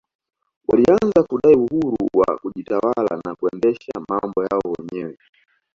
walianza kudai uhuru wa kujitawala na kuendesha mambo yao wenyewe